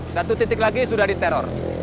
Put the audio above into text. satu titik lagi sudah diteror